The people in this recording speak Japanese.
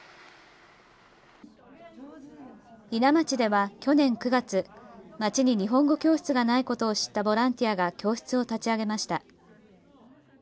伊奈町では去年９月、町に日本語教室がないことを知ったボランティアが教室を立ち上げました。